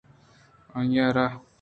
آئی ءَ را